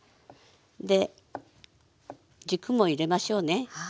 で軸も入れましょうね。